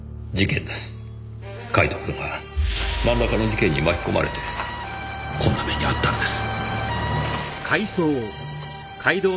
カイトくんはなんらかの事件に巻き込まれてこんな目に遭ったんです。